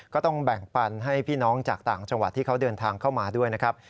ก็ต้องแบ่งปันให้พี่น้องจากต่างจังหวัดที่เขาเดินทางเข้ามาด้วยนะครับ